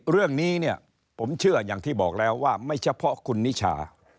เรื่องนี้เนี่ยผมเชื่ออย่างที่บอกแล้วว่าไม่เฉพาะคุณนิชา